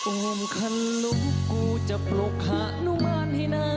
โอ้มขนุกกูจะปลุกฮานุมานให้นาน